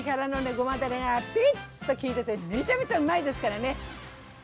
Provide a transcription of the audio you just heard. ごまだれがピリッときいててめちゃめちゃうまいですからね！